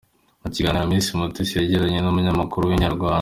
Mu kiganiro Miss Mutesi Jolly yagiranye n’umunyamakuru wa Inyarwanda.